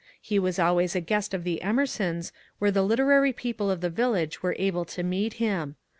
He was always a guest of the Emersons, where the literary people of the village were able to meet him.